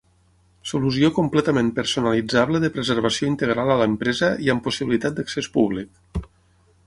Solució completament personalitzable de preservació integral a l’empresa i amb possibilitat d’accés públic.